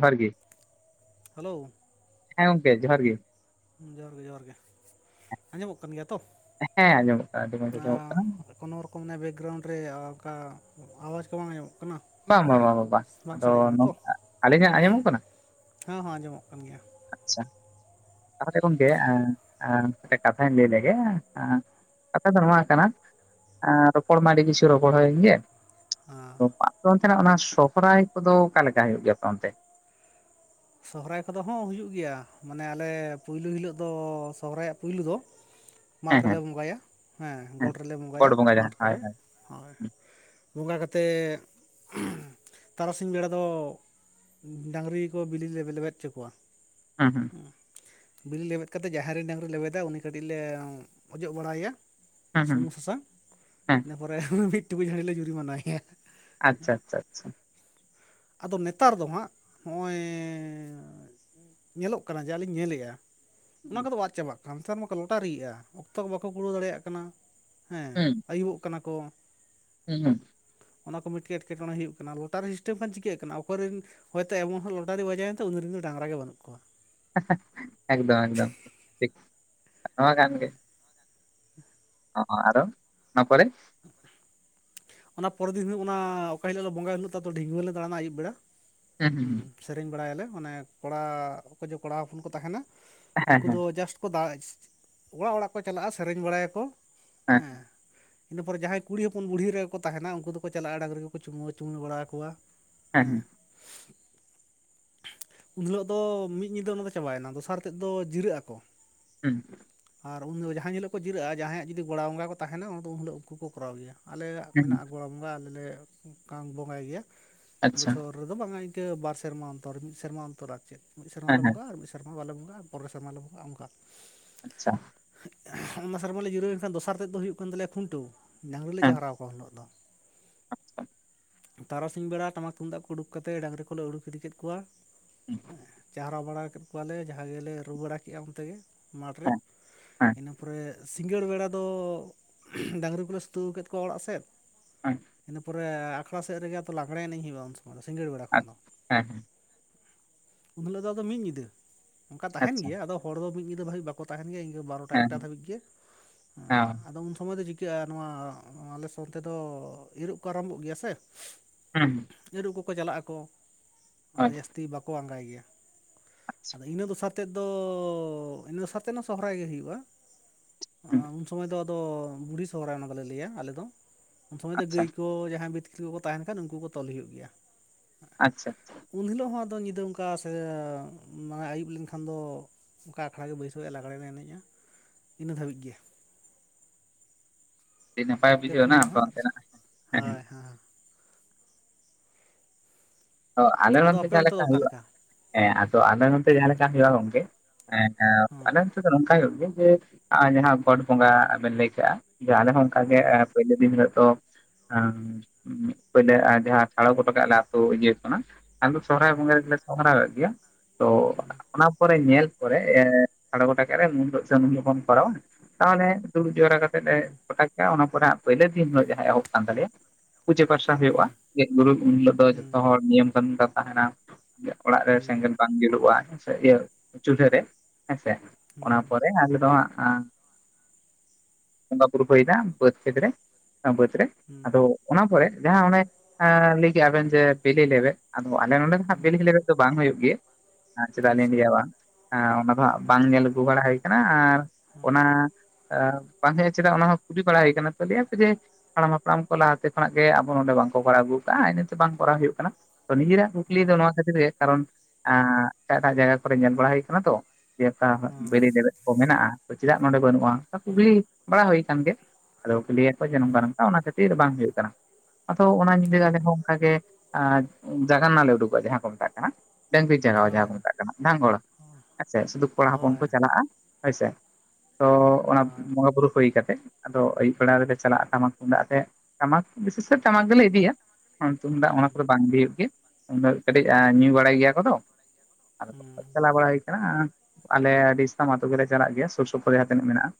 ᱯᱷᱟᱨᱜᱤ hello ᱦᱮᱸ ᱜᱚᱝᱠᱮ ᱡᱚᱦᱟᱨ ᱜᱮ᱾ ᱡᱚᱦᱟᱨ ᱜᱮ ᱡᱚᱦᱟᱨ ᱜᱮ ᱟᱸᱡᱚᱢᱚᱜ ᱠᱟᱱ ᱜᱮᱭᱟ ᱛᱚ? ᱦᱮᱸ ᱟᱸᱡᱚᱢᱚᱜ ᱠᱟᱱᱟ ᱟᱹᱰᱤ ᱢᱚᱸᱡᱽ ᱟᱸᱡᱚᱢᱚᱜ ᱠᱟᱱᱟ᱾ ᱠᱳᱱᱳ ᱨᱚᱠᱚᱢ ᱵᱮᱠᱜᱨᱟᱣᱩᱱᱰ ᱨᱮ ᱚᱱᱠᱟ ᱟᱣᱟᱡᱽ ᱠᱚ ᱵᱟᱝ ᱟᱸᱡᱚᱢᱚᱜ ᱠᱟᱱᱟ? ᱵᱟᱝ ᱵᱟᱝ ᱵᱟᱵᱟ ᱵᱟᱝ ᱟᱫᱚ ᱥᱟᱰᱮ ᱱᱝᱠᱟ ᱟᱹᱞᱤᱧᱟᱜ ᱟᱸᱡᱚᱢᱚᱜ ᱠᱟᱱᱟ? ᱦᱚᱸ ᱦᱚᱸ ᱟᱸᱡᱚᱢᱚᱜ ᱠᱟᱱ ᱜᱮᱭᱟ᱾ ᱟᱪᱪᱷᱟ ᱛᱟᱦᱚᱞᱮ ᱜᱚᱝᱠᱮ ᱮᱸ ᱮᱸ ᱢᱮᱜᱴᱮᱡ ᱠᱟᱛᱷᱟᱧ ᱞᱟᱹᱭ ᱞᱮᱜᱮ ᱟᱸᱼᱼ ᱠᱟᱛᱷᱟ ᱫᱚ ᱱᱚᱣᱟ ᱠᱟᱱᱟ ᱮᱸ ᱨᱚᱯᱚᱲ ᱢᱟ ᱟᱹᱰᱤ ᱠᱤᱪᱷᱩ ᱨᱚᱯᱚᱲ ᱦᱩᱭᱮᱱ ᱜᱮᱭᱟ, ᱦᱮᱸ [inaudible] ᱚᱱᱛᱮᱱᱟᱜ ᱚᱱᱟ ᱥᱚᱦᱚᱨᱟᱭ ᱠᱚᱫᱚ ᱚᱠᱟᱞᱮᱠᱟ ᱦᱩᱭᱩᱜ ᱜᱮᱭᱟ? ᱟᱯᱮ ᱚᱱᱛᱮ᱾ ᱥᱚᱦᱚᱨᱟᱭ ᱠᱚᱫᱚ ᱦᱚᱸ ᱦᱩᱭᱩᱜ ᱜᱮᱭᱟ ᱢᱟᱱᱮ ᱟᱞᱮ ᱯᱩᱭᱞᱩ ᱦᱤᱞᱳᱜ ᱫᱚ ᱥᱚᱦᱚᱨᱟᱭᱟᱜ ᱯᱩᱭᱞᱩ ᱫᱚᱼᱼ [unintelligible] ᱢᱟᱴᱷ ᱨᱮᱞᱮ ᱵᱚᱸᱜᱟᱭᱟ ᱦᱮᱸ ᱜᱚᱴ ᱨᱮᱞᱮ ᱜᱚᱰ ᱵᱚᱸᱜᱟᱭᱟ ᱵᱚᱸᱜᱟ ᱡᱟᱦᱟᱸ ᱢᱟᱴᱷ ᱦᱳᱭ ᱠᱚᱨᱮ᱾ ᱦᱳᱭ ᱦᱳᱭ ᱱᱚᱠᱟ ᱠᱟᱛᱮᱜ ᱛᱟᱨᱟᱥᱤᱧ ᱵᱮᱲᱟ ᱫᱚᱼᱼ ᱰᱟᱝᱨᱤ ᱠᱚ ᱵᱤᱞᱤ ᱞᱮ ᱞᱮᱵᱮᱫ ᱦᱚᱪᱚ ᱠᱚᱣᱟ᱾ ᱦᱩᱸ ᱦᱩᱸ ᱩᱸ ᱵᱤᱞᱤ ᱞᱮᱵᱮᱫ ᱠᱟᱛᱮ ᱡᱟᱦᱟᱸᱭᱨᱮ ᱰᱟᱝᱨᱤ ᱞᱮᱵᱮᱫᱟᱭ ᱩᱱᱤ ᱠᱟᱹᱴᱤᱡ ᱞᱮ ᱚᱡᱚᱜ ᱵᱟᱲᱟᱭᱮᱭᱟ᱾ ᱦᱩᱸ ᱦᱩᱸ ᱥᱩᱱᱩᱢ ᱥᱟᱥᱟᱝ ᱦᱮᱸ ᱤᱱᱟᱹ ᱯᱚᱨᱮ ᱢᱤᱫ ᱴᱩᱠᱩᱡ ᱦᱟᱸᱲᱤ ᱞᱤ ᱡᱩᱨᱤ ᱢᱟᱱᱟᱭᱮᱭᱟ᱾ ᱟᱪᱪᱷᱟ ᱟᱪᱪᱷᱟ ᱟᱪᱪᱷᱟ᱾ ᱟᱫᱚ ᱱᱮᱛᱟᱨ ᱫᱚ ᱦᱟᱸᱜ ᱦᱚᱜ-ᱚᱭᱼᱼ ᱮᱸ ᱧᱮᱞᱚᱜ ᱠᱟᱱᱟ ᱡᱟᱞᱤᱧ ᱧᱮᱞ ᱭᱮᱜᱟ ᱚᱱᱟ ᱦᱩᱸ ᱠᱚᱫᱚ ᱟᱫ ᱪᱟᱵᱟᱜᱼᱼ [inaudible] ᱢᱟᱠᱚ ᱞᱚᱴᱟᱨᱤᱭᱮᱜ-ᱟ ᱚᱠᱛᱚ ᱠᱚ ᱵᱟᱠᱚ ᱯᱩᱨᱟᱹᱣ ᱫᱟᱲᱮᱭᱟᱜ ᱠᱟᱱᱟ᱾ ᱦᱮᱸ ᱦᱩᱸ ᱟᱹᱭᱩᱵᱚᱜ ᱠᱟᱱᱟ ᱠᱚ᱾ ᱦᱩᱸ ᱚᱱᱟ ᱠᱚ ᱢᱤᱫ ᱴᱮᱡ ᱮᱴᱠᱮᱴᱚᱬᱮ ᱦᱩᱭᱩᱜ ᱠᱟᱱᱟ ᱞᱚᱴᱟᱨᱤ ᱥᱤᱥᱴᱮᱢ ᱠᱷᱟᱱ ᱪᱤᱠᱟᱹᱜ ᱠᱟᱱᱟ ᱚᱠᱚᱭ ᱨᱮᱱ ᱦᱚᱭᱛᱳ ᱮᱢᱚᱱ ᱦᱚᱸᱼᱼ [inaudible] ᱩᱱᱤᱨᱮᱱ ᱫᱚ ᱰᱟᱝᱨᱟ ᱜᱮ ᱵᱟᱹᱱᱩᱜ ᱠᱚᱣᱟ᱾ ᱮᱠᱫᱚᱢ ᱮᱠᱫᱚᱢ ᱴᱷᱤᱠ ᱱᱚᱣᱟ ᱠᱟᱱ ᱜᱮᱼᱼ ᱚᱸ ᱟᱨᱚ ᱱᱚᱣᱟᱯᱚᱨᱮᱼᱼ [unintelligible] ᱚᱱᱟ ᱯᱚᱨᱮ ᱫᱤᱱ ᱦᱤᱭᱳᱜ ᱠᱟᱱᱟ ᱚᱠᱟ ᱦᱤᱞᱳᱜ ᱞᱮ ᱵᱚᱸᱜᱟ ᱩᱱᱦᱤᱞᱳᱜ ᱰᱷᱤᱝᱜᱩᱣᱟᱹᱱ ᱞᱮ ᱫᱟᱬᱟᱱᱟ ᱟᱭᱩᱵ ᱵᱮᱲᱟ᱾ ᱦᱩᱸ ᱦᱩᱸ ᱦᱩᱸᱼᱼ ᱥᱮᱨᱮᱧ ᱵᱟᱲᱟᱭᱟᱞᱮ ᱢᱟᱱᱮ ᱠᱚᱲᱟ ᱚᱠᱭᱡᱮ ᱠᱚᱲᱟ ᱦᱚᱯᱚᱱ ᱠᱚ ᱛᱟᱦᱮᱸᱱᱟᱼᱼ ᱦᱮᱸ ᱦᱮᱸ ᱩᱱᱠᱩ ᱦᱮᱸ ᱫᱚ ᱡᱟᱥᱴ ᱠᱚ [inaudible] ᱚᱲᱟᱜ ᱚᱲᱟᱜ ᱠᱚ ᱪᱟᱞᱟᱜ-ᱟ ᱥᱮᱨᱮᱧ ᱵᱟᱲᱟᱭᱟᱠᱚ᱾ ᱦᱮᱸ ᱮᱸ ᱤᱱᱟᱹ ᱯᱚᱨᱮ ᱡᱟᱦᱟᱸᱭ ᱠᱩᱲᱤ ᱦᱚᱯᱚᱱ ᱵᱩᱰᱦᱤ ᱮᱨᱟᱼᱼ ᱠᱚ ᱛᱟᱦᱮᱸᱱᱟ ᱩᱱᱠᱩ ᱫᱚᱠᱚ ᱪᱟᱞᱟᱜ-ᱟ ᱰᱟᱝᱨᱤ ᱠᱚ [inaudible] ᱵᱟᱲᱟ ᱟᱠᱚᱣᱟ ᱦᱮᱸ ᱦᱮᱸᱼᱼ ᱩᱱ ᱦᱤᱞᱳᱜ ᱫᱚ ᱢᱤᱫ ᱧᱤᱫᱟᱹ ᱚᱱᱟ ᱫᱚ ᱪᱟᱵᱟᱭᱮᱱᱟ ᱫᱚᱥᱟᱨ ᱛᱮᱫ ᱫᱚ ᱡᱤᱨᱟᱹᱜ ᱟᱠᱚ᱾ ᱩᱸ ᱟᱨ ᱩᱱ ᱡᱚ ᱡᱟᱦᱟᱸ ᱦᱤᱞᱳᱜ ᱠᱚ ᱡᱤᱨᱟᱹᱜ-ᱟ ᱡᱟᱦᱟᱸᱟᱭᱟᱜ ᱡᱩᱫᱤ ᱜᱚᱲᱟ ᱵᱚᱸᱜᱟ ᱠᱚ ᱛᱟᱦᱮᱸᱱᱟ ᱩᱱ ᱦᱤᱞᱳᱜ ᱩᱱᱠᱩ ᱠᱚ ᱠᱚᱨᱟᱣ ᱟᱜᱩᱭᱟ᱾ ᱟᱞᱮᱭᱟᱜᱼᱼ ᱦᱩᱸ ᱢᱮᱱᱟᱜ-ᱟ ᱜᱚᱲᱟ ᱵᱚᱸᱜᱟ ᱟᱞᱮᱞᱮ ᱵᱚᱸᱜᱟᱭ ᱜᱮᱭᱟ᱾ ᱟᱪᱪᱷᱟ ᱵᱚᱪᱷᱚᱨᱼᱼ ᱨᱮᱫᱚ ᱵᱟᱝᱟ ᱤᱱᱠᱟᱹ ᱵᱟᱨ ᱥᱮᱨᱢᱟ ᱚᱱᱛᱚᱨ ᱢᱤᱫ ᱥᱮᱨᱢᱟ ᱚᱱᱛᱚᱨ ᱟᱨ ᱪᱮᱫ ᱢᱤᱫ ᱥᱮᱨᱢᱟ ᱦᱮᱸ ᱞᱮ ᱦᱮᱸ ᱵᱚᱸᱜᱟᱜ ᱟᱨ ᱢᱤᱫᱼᱼ ᱮᱨᱢᱟ ᱵᱟᱞᱮ ᱵᱚᱸᱜᱟᱜ-ᱟ ᱯᱚᱨᱮᱨ ᱥᱮᱨᱢᱟ ᱞᱮ ᱵᱚᱸᱜᱟᱜ-ᱟ᱾ ᱚᱱᱠᱟᱼᱼ ᱟᱪᱪᱷᱟ ᱟᱭᱢᱟ ᱥᱮᱨᱢᱟᱞᱮ ᱡᱤᱨᱟᱹᱣᱮᱱ ᱠᱷᱟᱱ ᱫᱚᱥᱟᱨ ᱛᱮᱫ ᱫᱚ ᱦᱩᱭᱩᱜ ᱠᱟᱱ ᱛᱟᱞᱮᱭᱟ ᱠᱷᱩᱱᱴᱟᱹᱣ᱾ ᱰᱟᱝᱨᱤ ᱞᱮ ᱪᱟᱦᱟᱨᱟᱣ ᱠᱚᱣᱟ ᱩᱱ ᱦᱤᱞᱳᱜᱼᱼ ᱵᱟᱝ [inaudible] ᱟᱪᱪᱷᱟ ᱛᱟᱨᱟᱥᱤᱧ ᱵᱮᱲᱟ ᱴᱟᱢᱟᱠ ᱛᱩᱢᱫᱟᱜ ᱠᱚ ᱩᱰᱩᱠ ᱠᱟᱛᱮ ᱰᱟᱝᱨᱤ ᱠᱚᱞᱮ ᱩᱰᱩᱠ ᱤᱫᱤ ᱠᱮᱫ ᱠᱚᱣᱟᱼᱼ ᱦᱩᱸ ᱦᱮᱸ ᱪᱟᱨᱦᱟ ᱵᱟᱲᱟ ᱠᱮᱫ ᱠᱚᱣᱟ ᱞᱮ ᱡᱟᱦᱟᱸ ᱜᱮᱞᱮ ᱨᱩ ᱵᱟᱲᱟ ᱠᱮᱜ-ᱟ᱾ ᱚᱱᱛᱮ ᱜᱮᱼᱼ ᱢᱟᱴ ᱨᱮ ᱦᱮᱸ ᱦᱮᱸ ᱤᱱᱟᱹ ᱯᱚᱨᱮᱼᱼ ᱥᱤᱸᱜᱟᱹᱲ ᱵᱮᱲᱟ ᱫᱚ ᱰᱟᱝᱨᱤ ᱠᱚᱞᱮ ᱥᱩᱛᱩᱟᱹᱣ ᱠᱮᱫ ᱠᱚᱣᱟ ᱚᱲᱟᱜ ᱥᱮᱫᱼᱼ [unintelligible] ᱤᱱᱟᱹ ᱯᱚᱨᱮ ᱟᱠᱷᱲᱟ ᱥᱮᱫ ᱨᱮᱜᱮ ᱛᱚ ᱞᱟᱜᱽᱲᱮ ᱮᱱᱮᱡᱧ ᱦᱩᱭᱩᱜᱼᱟ ᱩᱱ ᱥᱚᱢᱚᱭ ᱫᱚ ᱥᱤᱸᱜᱟᱹᱲ ᱵᱮᱲᱟ ᱠᱷᱚᱱ ᱟᱪ ᱫᱚ᱾ ᱦᱮᱸ ᱦᱮᱸ ᱩᱱ ᱦᱤᱞᱳᱜ ᱫᱚ ᱟᱫ ᱢᱤᱫ ᱧᱤᱫᱟᱹ ᱚᱱᱠᱟ ᱛᱟᱦᱮᱱ ᱟᱪᱪᱷᱟ ᱜᱮᱭᱟ ᱟᱫᱚ ᱦᱚᱲ ᱫᱚ ᱢᱤᱫ ᱧᱤᱫᱟᱹ ᱫᱷᱟᱵᱤᱡ ᱵᱟᱠᱚᱼᱼ ᱛᱟᱦᱮᱱ ᱜᱮ ᱵᱟᱨ ᱴᱟ ᱦᱮᱸ ᱮᱠᱴᱟ ᱫᱷᱟᱹᱵᱤᱡ ᱜᱮ ᱦᱮᱸ ᱟᱫᱚ ᱩᱱ ᱥᱚᱢᱚᱭ ᱪᱤᱼᱼ ᱪᱤᱠᱟᱹᱜᱼᱟ ᱱᱚᱣᱟ ᱟᱞᱮ ᱥᱚᱱᱛᱮ ᱫᱚ ᱤᱨᱚᱜ ᱠᱚ ᱟᱨᱟᱢᱵᱷᱚᱜ ᱜᱮᱭᱟ ᱥᱮ, ᱦᱮᱸ ᱦᱮᱸ ᱟᱹᱨᱩᱵ ᱠᱚᱠᱚ ᱪᱟᱞᱟᱜ ᱟᱠᱚ ᱟᱫᱚ ᱦᱳᱭ ᱡᱟᱹᱥᱛᱤ ᱵᱟᱠᱚ ᱟᱸᱜᱟᱭ ᱜᱮᱭᱟ ᱟᱪᱪᱷᱟ ᱟᱫᱚ ᱤᱱᱟᱹ ᱫᱚ ᱥᱟᱨᱼᱼ ᱮᱚᱛᱮᱫ ᱫᱚ ᱤᱱᱟᱹ ᱥᱟᱛᱮᱱᱟᱜ ᱥᱚᱦᱟᱭ ᱜᱮ ᱦᱩᱭᱩᱜᱼᱟ ᱦᱩᱸ ᱩᱱ ᱥᱚᱢᱚᱭ ᱫᱚᱼᱼ ᱚ ᱵᱩᱲᱦᱤ ᱥᱚᱦᱨᱟᱭ ᱚᱱᱟ ᱫᱚᱞᱮ ᱞᱟᱹᱭᱟ ᱟᱞᱮ ᱫᱚ᱾ ᱩᱱ ᱥᱚᱢᱚᱭ ᱫᱚ ᱟᱪᱪᱷᱟ ᱜᱟᱹᱭ ᱠᱚ ᱡᱟᱦᱟᱸᱭ ᱵᱤᱛᱠᱤᱞ ᱠᱚᱠᱚ ᱛᱟᱦᱮᱱ ᱠᱷᱟᱱ ᱩᱱᱠᱩ ᱠᱚ ᱛᱚᱞ ᱦᱩᱭᱩᱜ ᱜᱮᱭᱟ᱾ ᱟᱪᱪᱷᱟ ᱟᱪᱷᱟ᱾ ᱩᱱ ᱦᱤᱞᱳᱜ ᱦᱚᱸ ᱟᱫᱚ ᱧᱤᱫᱟᱹ ᱚᱱᱠᱟ ᱥᱮ ᱢᱟᱱᱮ ᱟᱹᱭᱩᱵ ᱞᱮᱱᱠᱷᱟᱱ ᱫᱚᱼᱼ ᱚᱱᱠᱟ ᱟᱠᱷᱲᱟᱮ ᱵᱟᱹᱭᱥᱟᱹᱜᱼᱟ ᱞᱟᱜᱽᱲᱮ ᱞᱮ ᱮᱱᱮᱡᱼᱟ ᱤᱱᱟᱹ ᱫᱷᱟᱹᱵᱤᱡ ᱜᱮ᱾ ᱟᱹᱰᱤ ᱱᱟᱯᱟᱭ ᱯᱮ ᱵᱩᱡᱷᱟᱹᱣ ᱯᱩᱱ ᱢᱟᱦᱟ ᱟᱨ ᱦᱳᱭ [unintelligible] ᱦᱮᱸ ᱚ ᱟᱞᱮ ᱟᱫᱚ ᱱᱚᱛᱮ ᱟᱯᱮ ᱡᱟᱦᱸᱟ ᱚᱱᱛᱮ ᱫᱚ ᱞᱮᱠᱷᱟ ᱚᱠᱟ ᱦᱩᱭᱩᱜᱼᱟ ᱞᱮᱠᱟ ᱦᱮᱸ ᱟᱫᱚ ᱟᱞᱮ ᱱᱚᱛᱮ ᱡᱟᱦᱟᱸ ᱞᱮᱠᱟ ᱦᱩᱭᱩᱜᱼᱟ ᱜᱚᱝᱠᱮ ᱦᱮᱸ ᱦᱮᱸ ᱟᱫᱼᱼ ᱱᱚᱝᱠᱟ ᱦᱩᱭᱩᱜ ᱜᱮᱭᱟ ᱡᱮ ᱡᱟᱦᱟᱸ ᱜᱚᱴ ᱵᱚᱸᱜᱟ ᱵᱮᱱ ᱞᱟᱹᱭ ᱠᱟᱜᱼᱟ ᱡᱮ ᱟᱞᱮ ᱦᱚᱸ ᱚᱱᱠᱟ ᱜᱮ ᱦᱮᱸ ᱯᱳᱞᱳ ᱫᱤᱱ ᱦᱤᱞᱳ ᱫᱚ ᱯᱳᱞᱳ ᱡᱟᱦᱟᱸ ᱪᱲ ᱠᱚᱴᱚ ᱠᱟᱜᱛ ᱤᱭᱟᱹᱼᱼ ᱚᱱᱟ ᱟᱞᱮ ᱫᱚ ᱥᱚᱦᱨᱟᱭ ᱵᱚᱸᱜᱟ ᱨᱮᱜᱮᱞᱮ ᱥᱚᱦᱚᱨᱟᱭ ᱜᱮᱭᱟ, ᱛᱚ ᱚᱱᱟᱼᱼ ᱛᱯᱚᱨᱮ ᱧᱮᱞ ᱯᱚᱨᱮ ᱥᱟᱲᱮ ᱜᱚᱴᱟ ᱠᱟᱜ ᱨᱮ ᱱ [unintelligible] ᱥᱩᱱ ᱡᱚᱠᱷᱚᱱ ᱠᱚᱨᱟᱣᱟ ᱛᱟᱦᱞᱮ ᱫᱩᱲᱩᱵ ᱡᱟᱣᱨᱟ ᱠᱟᱛᱮᱼᱼ ᱮᱫ ᱞᱮ ᱯᱚᱴᱟ ᱠᱮᱼᱟ ᱚᱱᱟ ᱯᱚᱨᱮ ᱯᱳᱭᱞᱳ ᱫᱤᱱ ᱦᱤᱞᱳᱜ ᱡᱟᱦᱟᱸ ᱮᱦᱚᱵ ᱠᱟᱱ ᱛᱟᱞᱮᱭᱟ ᱯᱩᱡᱟᱹ ᱯᱟᱥᱟᱼᱼ ᱦᱩᱸ ᱦᱩᱭᱩᱜᱼᱟ ᱵᱤᱨ ᱜᱩᱨᱩ ᱩᱱ ᱦᱤᱞᱳ ᱫᱚ ᱦᱩᱸ ᱡᱚᱛᱚ ᱦᱚᱲ ᱱᱤᱭᱚᱢ ᱛ ᱠᱟᱱ ᱛᱟᱦᱮᱱᱟ ᱚᱲᱟᱜ ᱨᱮ ᱦᱩᱸ ᱥᱮᱸᱜᱮᱞ ᱵᱟᱝᱼᱼ ᱡᱩᱞᱩᱜᱼᱟ ᱦᱮᱸ ᱤᱭᱟᱹ ᱪᱩᱞᱦᱟᱹ ᱨᱮ ᱦᱮᱸᱥᱮ ᱚᱱᱟ ᱦᱩᱸ ᱯᱚᱨᱮ ᱟᱞᱮ ᱫᱚ ᱦᱟᱜ᱾ ᱟᱸ, ᱵᱚᱸᱜᱟ ᱵᱩᱨᱩ ᱠᱚ ᱦᱩᱭᱱᱟ ᱵᱟᱫᱽ ᱠᱷᱮᱛ ᱨᱮ ᱵᱟᱫᱽ ᱨᱮ ᱦᱩᱸ ᱟᱫᱚ ᱚᱱᱟ ᱯᱚᱨᱮ ᱡᱟᱦᱟᱸ ᱚᱱᱮ ᱞᱟᱹᱭ ᱠᱮᱫᱼᱟ ᱵᱮᱱ ᱡᱮ ᱵᱤᱞᱤ ᱞᱮᱵᱮᱫᱽ ᱟᱫᱚ ᱟᱞᱮ ᱱᱚᱰᱮ ᱫᱚ ᱦᱟᱜ ᱵᱮᱞᱤ ᱦᱩᱸ ᱞᱮᱵᱮᱫᱽ ᱫᱚ ᱵᱟᱝ ᱦᱩᱭᱩᱜ ᱜᱮᱭᱟ, ᱪᱮᱫᱟᱜ ᱞᱤᱧ ᱟᱪᱪᱷᱟ ᱞᱟᱹᱭᱟ ᱵᱟᱝ ᱚᱱᱟ ᱫᱚ ᱦᱟᱸᱜ ᱵᱟᱝ ᱧᱮᱞ ᱟᱹᱜᱩ ᱵᱟᱲᱟ ᱦᱩᱭ ᱠᱟᱱᱟ ᱟᱨ ᱚᱱᱟ ᱵᱟᱝ ᱦᱮᱡ ᱪᱮᱫᱟᱜ ᱚᱱᱟ ᱦᱚᱸ ᱠᱩᱞᱤ ᱵᱟᱲᱟ ᱦᱩᱭ ᱠᱟᱱᱟ ᱛᱚᱞᱮᱭᱟ ᱡᱮᱼᱼ ᱦᱟᱲᱟᱢ-ᱦᱟᱯᱲᱟᱢ ᱠᱚ ᱞᱟᱦᱟ ᱛᱮ ᱠᱷᱚᱱᱟᱜ ᱜᱮ ᱟᱵᱚ ᱱᱚᱸᱰᱮ ᱵᱟᱝ ᱠᱚ ᱠᱚᱨᱟᱣ ᱟᱹᱜᱩ ᱠᱟᱜᱼᱟ, ᱤᱱᱟᱹᱛᱮ ᱵᱟᱝ ᱠᱚᱨᱟᱣ ᱦᱩᱭᱩᱜᱼᱟ᱾ ᱚ ᱱᱤᱡᱮᱨᱟ ᱠᱩᱠᱞᱤ ᱦᱮᱸ ᱫᱚ ᱱᱚᱣᱟ ᱠᱷᱟᱛᱤᱨ ᱜᱮ ᱠᱟᱨᱚᱱ ᱮᱴᱟᱜ ᱮᱴᱟᱜ ᱡᱟᱭᱜᱟ ᱠᱚᱨᱮ ᱧᱮᱞ ᱵᱟᱲᱟ ᱦᱩᱭ ᱟᱠᱟᱱᱟ ᱛᱚ ᱡᱮ ᱦᱮᱸ ᱵᱮᱞᱤ ᱞᱮᱵᱮᱫ ᱢᱮᱱᱟᱜᱼᱟ, ᱪᱮᱫᱟᱜ ᱱᱚᱰᱮ ᱵᱟᱹᱱᱩᱜᱼᱟ? ᱚᱱᱟ ᱦᱮᱸ ᱠᱩᱠᱞᱤ ᱵᱟᱲᱟ ᱦᱩᱭ ᱟᱠᱟᱱ ᱜᱮ, ᱟᱫᱚ ᱠᱩ ᱞᱤᱭᱟ ᱡᱮ ᱱᱚᱝᱠᱟ ᱦᱩᱸ ᱱᱚᱝᱠᱟ ᱚᱱᱟ ᱠᱷᱟᱹᱛᱤᱨ ᱵᱟᱝ ᱦᱩᱭᱩᱜ ᱠᱟᱱᱟ ᱟᱫᱚ ᱚᱱᱟ ᱧᱤᱫᱟᱹ ᱟᱞᱮᱦ ᱚᱱᱠᱟᱟᱜ ᱜᱮ ᱡᱟᱜᱟᱱ ᱨᱮᱱᱟᱜ ᱞᱮ ᱩᱰᱩᱠᱚᱜᱼᱟ ᱡᱟᱦᱟᱸ ᱠᱚ ᱢᱮᱛᱟᱜ ᱠᱟᱱᱟ᱾ ᱰᱟᱹᱝᱨᱤ ᱡᱟᱜᱟᱣ ᱦᱳᱭ ᱡᱟᱦᱟᱸ ᱠᱚ ᱦᱳᱭ ᱢᱮᱛᱟᱜ ᱠᱟᱱᱟ ᱫᱷᱟᱝᱜᱚᱲ ᱦᱮᱸᱥ ᱥᱮ ᱥᱩᱫᱩ ᱠᱚᱲᱟ ᱦᱚᱯᱚᱱ ᱠᱚ ᱪᱟᱞᱟᱜᱼᱟ᱾ ᱟᱪᱷᱟ ᱛᱚ ᱚᱱᱟ ᱵᱚᱸᱜᱟ ᱵᱩᱨᱩ ᱦᱩᱭ ᱠᱟ ᱠᱟᱛᱮᱫ, ᱟᱫᱚ ᱟᱹᱭᱩᱵ ᱵᱮᱲᱟ ᱨᱮᱞᱮ ᱪᱟᱞᱟᱜᱼᱟ ᱴᱟᱢᱟᱠ ᱛᱩᱫᱟᱜ ᱛᱮᱜ ᱴᱟᱢᱟᱠ ᱵᱤᱥᱮᱥᱛᱮ ᱴᱟᱢᱟᱠ ᱜᱮᱞᱮ ᱤᱫᱤᱭᱟ ᱛᱩᱢᱫᱟᱜ ᱚᱱᱟ ᱦᱩᱸ, ᱠᱚᱫᱚ ᱵᱟᱝ ᱦᱩᱭᱩᱜ ᱜᱮᱭᱟ ᱫᱚ ᱠᱟᱹᱴᱤᱡ ᱧᱩ ᱵᱟᱲᱟᱭ ᱜᱮᱭᱟ ᱠᱚ ᱛᱚᱼᱼ ᱟ ᱦᱩᱸ, ᱪᱟᱞᱞᱟᱣ ᱵᱲᱟ ᱦᱩᱭ ᱠᱟᱱᱟ ᱟᱞᱮ ᱟᱹᱰᱤ ᱥᱟᱱᱟᱢ ᱟᱹᱛᱩ ᱪᱟᱞᱟᱜ ᱜᱮᱭᱟ ᱥᱩᱨ ᱥᱩᱯᱩᱨ ᱡᱟᱦᱟᱸ ᱛᱤᱱᱟᱹᱜ ᱢᱮᱱᱟᱜᱼᱟ᱾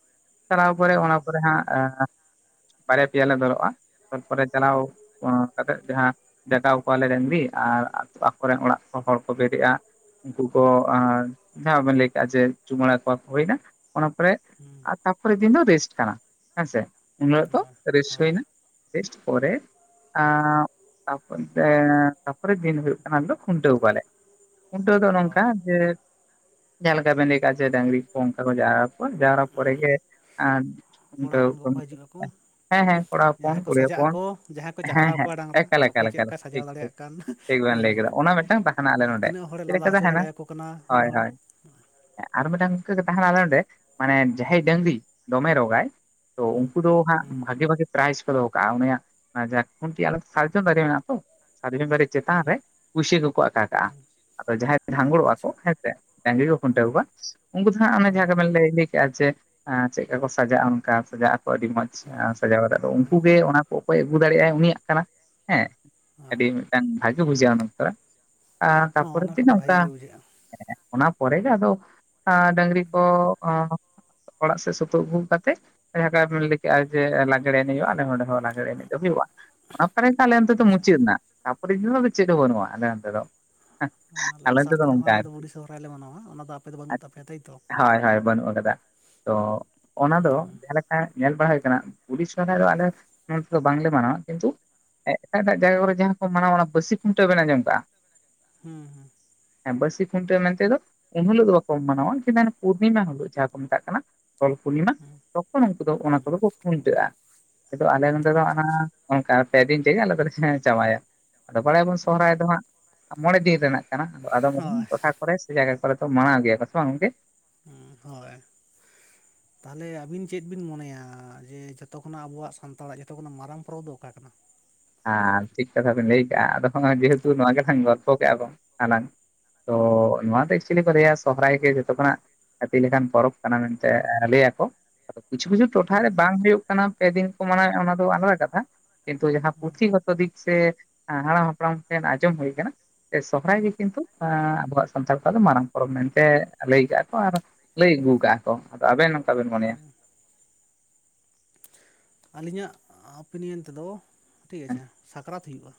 ᱪᱟᱞᱟᱣ ᱯᱚᱨᱮ ᱚᱱᱟ ᱦᱩᱸ, ᱯᱚᱨᱮ ᱦᱟᱸᱜ᱾ ᱵᱟᱨᱭᱟ ᱯᱮᱭᱟ ᱞᱮ ᱫᱷᱚᱨᱚᱜᱼᱟ ᱛᱟᱨᱯᱚᱨᱮ ᱪᱟᱞᱟᱣ ᱠᱟᱛᱮ ᱡᱟᱦᱟᱸ ᱫᱟᱠᱟᱣ ᱠᱚᱣᱟᱞᱮ ᱨᱮᱱᱜᱤ ᱟᱨ ᱟᱠᱚᱨᱮᱱ ᱚᱲᱟᱜ ᱦᱚᱲ ᱠᱚ ᱵᱮᱨᱮᱫᱼᱟ, ᱩᱱᱠᱩ ᱠᱚ ᱡᱟᱦᱟᱸ ᱵᱮᱱ ᱞᱟᱹᱭ ᱠᱟᱜᱼᱟ ᱡᱮ ᱪᱩᱢᱟᱹᱲᱟ ᱠᱚᱣᱟ ᱠᱚ ᱦᱩᱭᱱᱟ ᱚᱱᱟ ᱯᱚᱨᱮ ᱦᱩᱸ, ᱟᱨ ᱛᱟᱨᱯᱚᱨᱮ ᱫᱤᱱ ᱫᱚ ᱨᱮᱥᱴ ᱠᱟᱱᱟ ᱦᱮᱸᱥᱮ ᱩᱱᱦᱤᱞᱳ ᱫᱚ ᱦᱚᱭ, ᱨᱮᱥᱴ ᱦᱚᱭ, ᱦᱩᱭᱱᱟ, ᱨᱮᱥᱴ ᱯᱚᱨᱮ ᱮᱸ ᱛᱟᱯᱚᱨᱮ ᱫᱤᱱ ᱦᱩᱭᱩᱜ ᱠᱟᱱᱟ ᱟᱫᱚ ᱠᱷᱩᱱᱴᱟᱹᱣ ᱠᱚᱣᱟᱞᱮ᱾ ᱢᱩᱴᱟᱹᱣ ᱫᱚ ᱦᱚᱭ᱾ ᱱᱚᱝᱠᱟ ᱡᱮᱼᱼ ᱡᱟᱦᱟ ᱞᱮᱠᱟ ᱵᱮᱱ ᱞᱟᱹᱭ ᱠᱟᱜᱟ ᱡᱮ ᱰᱟᱝᱨᱤ ᱠᱚ ᱚᱱᱠᱟ ᱵᱚᱱ ᱡᱟᱣᱨᱟ ᱠᱚᱣᱟ ᱡᱟᱣᱨᱟ ᱯᱚᱨᱮᱜ ᱜᱮ ᱟᱨᱼᱼ ᱠᱚᱲᱟ ᱠᱷᱩᱱᱴᱟᱹᱣ ᱦᱚᱯᱚᱱ ᱠᱚᱠᱚ ᱦᱤᱡᱩᱜ ᱟᱠᱚ [inaudible] ᱦᱮᱸ ᱦᱮᱸ ᱠᱚᱲᱟ ᱦᱚᱯᱚᱱ ᱡᱟᱦᱟᱸᱭ ᱠᱚ ᱠᱩᱲᱤ ᱥᱟᱡᱟᱜ ᱦᱚᱯᱚᱱ ᱟᱠᱚ ᱡᱟᱦᱟᱸᱭ ᱠᱚ ᱦᱮᱸ ᱪᱟᱦᱨᱟᱣ ᱦᱮᱸᱼᱼ ᱠᱚᱣᱟ ᱰᱟᱝᱨᱟ [inaudible] ᱚᱠᱚᱭ ᱪᱮᱫ ᱞᱮᱠᱟᱭ ᱥᱟᱡᱟᱣ ᱴᱷᱤᱠ ᱴᱷᱤᱠ ᱫᱟᱲᱮᱭᱟᱜ ᱠᱟᱱ ᱴᱷᱤᱠ ᱵᱮᱱ ᱞᱟᱹᱭ ᱦᱮᱸ ᱠᱟᱫᱟ ᱚᱱᱟ ᱢᱤᱫᱴᱟᱹᱝ ᱛᱟᱦᱮᱸᱱᱟ ᱢᱟᱱᱮ ᱟᱞᱮ ᱱᱚᱰᱸᱮ᱾ ᱛᱤᱱᱟᱹᱜ ᱦᱚᱲᱮ ᱪᱮᱫ ᱞᱟᱸᱫᱟ ᱞᱮᱠᱟ ᱦᱚᱪᱚ ᱛᱟᱦᱮᱸᱱᱟᱼᱼ ᱫᱟᱲᱮᱭᱟᱠᱚ ᱠᱟᱱᱟ ᱢᱤᱫ ᱦᱳᱭ ᱦᱚᱲ ᱦᱳᱭ ᱟᱨ ᱢᱤᱫᱴᱟᱹᱝ ᱤᱝᱠᱟᱹ ᱜᱮ ᱛᱟᱦᱮᱸᱱᱟ ᱟᱞᱮ ᱱᱚᱸᱰᱮ ᱢᱟᱱᱮ ᱡᱟᱦᱟᱸᱭ ᱰᱟᱹᱝᱨᱤ ᱫᱚᱢᱮ ᱨᱚᱜᱟᱭᱼᱼ ᱛᱚ ᱦᱩᱸ ᱩᱱᱠᱩ ᱫᱚ ᱦᱟᱸᱜ ᱦᱩᱸ ᱵᱷᱟᱜᱤ ᱵᱷᱟᱜᱤ ᱯᱨᱟᱭᱮᱪ ᱠᱚ ᱫᱚᱦᱚ ᱠᱟᱜ-ᱟ ᱩᱱᱤᱭᱟᱜ ᱡᱟᱦᱟᱸ ᱠᱷᱩᱱᱴᱤ ᱟᱞᱮᱼᱼ ᱥᱟᱨᱡᱚᱢ ᱫᱟᱨᱮ ᱢᱮᱱᱟᱜ-ᱟ ᱛᱚ ᱥᱟᱨᱡᱚᱢ ᱫᱟᱨᱮ ᱪᱮᱛᱟᱱ ᱨᱮ ᱦᱩᱸ ᱯᱩᱭᱥᱟᱹ ᱠᱚᱠᱚ ᱟᱠᱟ ᱠᱟᱜ-ᱟ᱾ ᱟᱫᱚ ᱡᱟᱦᱟᱸᱭ ᱡᱷᱟᱸᱜᱲᱚᱜ-ᱟ ᱠᱚ ᱟᱪᱪᱷᱟ ᱦᱮᱸ ᱥᱮ ᱰᱟᱝᱨᱤ ᱠᱚ ᱠᱷᱩᱱᱴᱟᱹᱣ ᱠᱚᱣᱟ ᱩᱱᱠᱩ ᱫᱚ ᱦᱟᱸᱜ ᱚᱱᱮ ᱡᱟᱦᱟᱸ ᱜᱮᱵᱮᱱ ᱞᱟᱹᱭ ᱞᱟᱹᱭ ᱼᱼ ᱠᱮᱜᱟ ᱪᱮ ᱮᱸ ᱪᱮᱫᱠᱟ ᱠᱚ ᱥᱟᱡᱟᱜ-ᱟ ᱚᱱᱠᱟ ᱥᱟᱡᱟᱜ ᱟᱠᱚ ᱟᱹᱰᱤ ᱢᱚᱡᱽ ᱥᱟᱡᱟᱣ ᱠᱟᱛᱮ ᱫᱚ ᱩᱱᱠᱩ ᱜᱮ ᱚᱱᱟᱼᱼ ᱚᱠᱚᱭ ᱮ ᱟᱹᱜᱩ ᱫᱟᱲᱮᱭᱟᱜ-ᱟᱭ ᱩᱱᱤᱭᱟᱜ ᱠᱟᱱᱟ ᱦᱮᱸ ᱟᱹᱰᱤ ᱢᱤᱫᱴᱟᱝ ᱵᱷᱟᱜᱮ ᱵᱩᱡᱷᱟᱹᱜ-ᱟ ᱩᱱ ᱚᱠᱛᱚᱨᱮ᱾ ᱟᱸ ᱦᱚᱸ ᱛᱟᱯᱚᱨᱮ ᱚᱱᱟ ᱫᱤᱱ ᱠᱚᱫᱚ ᱵᱷᱟᱜᱤ ᱚᱱᱠᱟ ᱜᱮ ᱵᱩᱡᱷᱟᱹᱜᱼᱟ ᱚᱱᱟ ᱯᱚᱨᱮ ᱜᱮ ᱟᱫᱚ ᱟᱸ ᱰᱟᱝᱨᱤ ᱠᱚᱼᱼ ᱚ ᱚᱲᱟᱜ ᱥᱮᱫ ᱥᱩᱛᱩᱜ ᱟᱹᱜᱩ ᱠᱟᱛᱮ ᱡᱟᱦᱟᱸ ᱞᱮᱠᱟ ᱟᱢᱮᱢ ᱞᱟᱹᱭ ᱠᱮᱫᱼᱟ ᱡᱮ ᱞᱟᱜᱽᱲᱮ ᱮᱱᱮᱡ ᱦᱩᱭᱩᱜᱼᱟ ᱟᱞᱮ ᱚᱸᱰᱮ᱾ ᱦᱚ ᱞᱟᱜᱽᱲᱮ ᱮᱱᱮᱡ ᱫᱚ ᱦᱩᱭᱩᱜᱼᱟ᱾ ᱚᱱᱟ ᱟᱞᱮ ᱚᱱᱛᱮ ᱫᱚ ᱟᱪᱪᱷᱟ ᱢᱩᱪᱟᱹᱫ ᱱᱟ ᱛᱟᱯᱚᱨᱮ ᱪᱮᱫ ᱦᱚ ᱵᱟᱹᱱᱩᱜᱼᱟ ᱟᱞᱮ ᱚᱱᱛᱮ ᱫᱚ᱾ ᱟᱞᱮ ᱫᱚᱥᱟᱨ ᱛᱮᱫᱚ ᱛᱮᱫ ᱦᱚᱸ ᱱᱚᱝᱠᱟ ᱟᱞᱮ ᱫᱚ ᱟᱨᱠᱤ, ᱵᱩᱰᱷᱤ ᱥᱚᱦᱨᱟᱭ ᱞᱮ ᱢᱟᱱᱟᱣᱟ ᱚᱱᱟ ᱫᱚ ᱟᱯᱮ ᱫᱚ ᱵᱟᱹᱱᱩᱜ ᱛᱟᱯᱮᱭᱟ ᱛᱟᱭᱛᱚ ᱦᱳᱭ ᱦᱳᱭ ᱵᱟᱹᱱᱩᱜ ᱟᱠᱟᱫᱟ᱾ ᱚ ᱚᱱᱟ ᱫᱚ ᱦᱩᱸ ᱮ ᱧᱮᱞ ᱵᱟᱲᱟ ᱦᱩᱭ ᱟᱠᱟᱱᱟ [unintelligible] ᱫᱚ ᱟᱞᱮ ᱱᱚᱛ ᱫᱚ ᱵᱟᱝᱞᱮ ᱢᱟ ᱠᱤᱱᱛᱩ ᱮᱜ ᱮᱴᱟᱜ ᱮᱴᱟᱜ ᱡᱟᱭᱜᱟ ᱠᱚᱨᱮ ᱡᱟᱦᱟᱸ ᱠᱚ ᱢᱟᱱᱟᱣᱟ ᱚᱱᱟ ᱯᱟᱹᱥᱤ ᱠᱷᱩᱱᱴᱟᱹᱣ ᱵᱮᱱ ᱟᱡᱚᱢ ᱠᱟᱜᱼᱟ, ᱦᱮᱸ ᱦᱮᱸ ᱦᱮᱸ ᱵᱟᱥᱤ ᱠᱷᱩᱱᱴᱟᱹᱣ ᱢᱮᱱᱛᱮᱫ ᱫᱚ ᱮᱱ ᱦᱤᱞᱳᱜ ᱫᱚ ᱵᱟᱠᱚ ᱢᱟᱱᱟᱣᱟ ᱠᱤᱱᱛᱩ ᱯᱩᱨᱱᱤᱢᱟ ᱦᱤᱞᱳᱜ ᱡᱟᱦᱟᱸ ᱠᱚ ᱢᱮᱛᱟᱜ ᱠᱟᱱᱟ ᱛᱚᱞ ᱯᱩᱨᱱᱤᱢᱟ ᱛᱚᱠᱷᱚᱱ ᱩᱱᱠᱩ ᱫᱚ ᱚᱱᱟ ᱦᱩᱸ ᱠᱚᱫᱚ ᱠᱚ ᱠᱷᱩᱱᱴᱟᱹᱜᱼᱟ [inaudible] ᱟᱞᱮ ᱱᱚᱸᱰᱮ ᱫᱚ ᱟᱪᱪᱷᱟ ᱚᱱᱟ ᱟᱪᱪᱷᱟ ᱚᱱᱠᱟ ᱯᱮ ᱫᱤᱱ ᱛᱮᱜᱮ ᱟᱞᱮ ᱫᱚᱞᱮ ᱪᱟᱵᱟᱭᱟ ᱟᱫᱚ ᱵᱟᱲᱟᱭ ᱵᱚᱱ ᱥᱚᱨᱦᱟᱭ ᱫᱚ ᱦᱟᱸᱜ ᱢᱚᱬᱮ ᱫᱤᱱ ᱨᱮᱱᱟᱜ, ᱠᱟᱱᱟ ᱟᱫᱚᱢ ᱟᱫᱚᱢ ᱦᱳᱭ ᱴᱚᱴᱷᱟ ᱠᱚᱨᱮ ᱥᱮ ᱡᱟᱭᱜᱟ ᱠᱚᱨᱮ ᱫᱚ ᱢᱟᱱᱟᱣ ᱜᱮᱭᱟ ᱠᱚ ᱥᱮ ᱵᱟᱝ ᱜᱚᱝᱠᱮ, ᱦᱩ ᱦᱳᱭ ᱛᱟᱦᱚᱞᱮ ᱟᱵᱤᱱ ᱪᱮᱫ ᱵᱤᱱ ᱢᱚᱱᱮᱭᱟ ᱡᱮ ᱡᱚᱛᱚ ᱠᱷᱚᱱᱟᱜ ᱟᱵᱚᱣᱟᱜ ᱥᱟᱱᱛᱟᱲᱟᱜ ᱡᱚᱛᱚ ᱠᱷᱚᱱᱟᱜ ᱢᱟᱨᱟᱝ ᱯᱚᱨᱚᱵᱽ ᱫᱚ ᱚᱠᱟ ᱠᱟᱱᱟ? ᱟᱨ ᱴᱷᱤᱠ ᱠᱟᱛᱷᱟ ᱵᱮᱱ ᱞᱟᱹᱭ ᱠᱟᱜᱼᱟ ᱟᱫᱚ ᱦᱚᱸᱜᱼᱚᱭ ᱡᱮᱦᱮᱛᱩ ᱱᱚᱣᱟ ᱜᱮᱞᱟᱝ ᱜᱚᱞᱯᱷᱚ ᱠᱮᱜᱼᱟ ᱟᱞᱟᱝ ᱛᱚ ᱱᱚᱣᱟ ᱫᱚ ᱮᱠᱪᱩᱭᱮᱞᱤ ᱠᱚ ᱞᱟᱸᱭᱟ ᱥᱚᱦᱨᱟᱭ ᱜᱮ ᱡᱚᱛᱚ ᱠᱷᱚᱱᱟᱜ ᱦᱟᱛᱤ ᱞᱮᱠᱟᱱ ᱯᱚᱨᱚᱵᱽ ᱠᱟᱱᱟ ᱢᱮᱱᱛᱮ ᱞᱟᱹᱭᱟᱠᱚ ᱫᱚ ᱠᱤᱪᱷᱩ ᱠᱤᱪᱷᱩ ᱴᱚᱴᱷᱟ ᱨᱮ ᱵᱟᱝ ᱦᱩᱭᱩᱜ ᱠᱟᱱᱟ ᱯᱮ ᱫᱤᱱ ᱠᱚ ᱢᱟᱱᱟᱣᱮᱫ ᱚᱱᱟ ᱫᱚ ᱟᱞᱟᱫᱟ ᱠᱟᱛᱷᱟ ᱠᱤᱱᱛᱩ ᱡᱟᱦᱟᱸ ᱯᱩᱛᱷᱤ ᱫᱤᱠ ᱥᱮ ᱦᱟᱲᱟᱢ ᱦᱟᱯᱲᱟᱢ ᱠᱚᱴᱷᱮᱱ ᱟᱸᱡᱚᱢ ᱦᱩᱭ ᱠᱟᱱᱟ ᱥᱚᱨᱦᱟᱭ ᱜᱮ ᱠᱤᱱᱛᱩ ᱮ ᱟᱵᱚᱣᱟᱜ ᱥᱟᱱᱛᱟᱲ ᱠᱚᱣᱟᱜ ᱫᱚ ᱢᱟᱨᱟᱝ ᱯᱚᱨᱚᱵᱽ ᱢᱮᱱᱛᱮ ᱞᱟᱹᱭ ᱠᱟᱜᱼᱟ ᱠᱚ, ᱟᱨ ᱞᱟᱹᱭ ᱟᱹᱜᱩ ᱠᱟᱜᱼᱟ᱾ ᱠᱚ ᱟᱫᱚ ᱟᱵᱮᱱ ᱚᱠᱟ ᱵᱮᱱ ᱢᱚᱱᱮᱭᱟ? ᱟᱹᱞᱤᱧᱟᱜ ᱟᱯᱤᱱᱤᱭᱚᱱ ᱛᱮᱫᱚ ᱴᱷᱤᱠ ᱦᱮᱸ ᱟᱪᱷᱮ ᱥᱟᱠᱨᱟᱛ ᱦᱩᱭᱩᱜᱼᱟ,